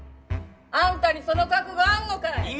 あんたにその覚悟あんのかい！